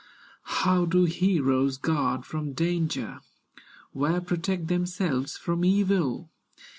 How do heroes guard from danger, Where protect themselves from evil?